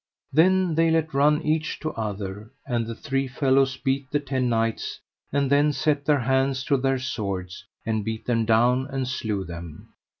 Then let they run each to other, and the three fellows beat the ten knights, and then set their hands to their swords and beat them down and slew them.